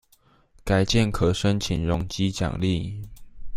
改建可申請容積獎勵